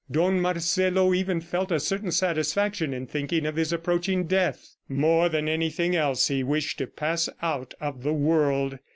Don Marcelo even felt a certain satisfaction in thinking of his approaching death. More than anything else, he wished to pass out of the world.